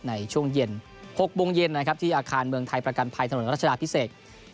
ในช่วงเย็น๖โมงเย็นนะครับที่อาคารเมืองไทยประกันภัยถนนรัชดาพิเศษ